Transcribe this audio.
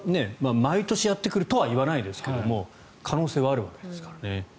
毎年やってくるとは言わないですけども可能性はあるわけですからね。